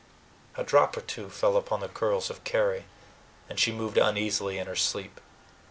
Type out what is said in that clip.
A drop or two fell upon the curls of Carry, and she moved uneasily in her sleep.